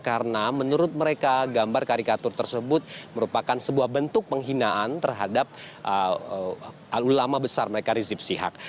karena menurut mereka gambar karikatur tersebut merupakan sebuah bentuk penghinaan terhadap ulama besar mereka rizieb syihak